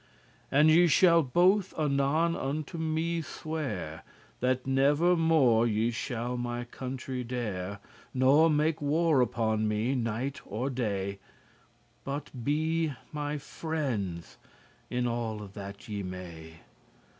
And ye shall both anon unto me swear, That never more ye shall my country dere* *injure Nor make war upon me night nor day, But be my friends in alle that ye may.